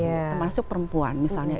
termasuk perempuan misalnya